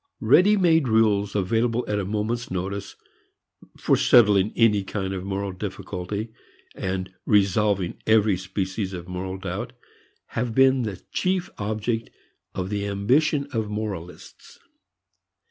Ready made rules available at a moment's notice for settling any kind of moral difficulty and resolving every species of moral doubt have been the chief object of the ambition of moralists.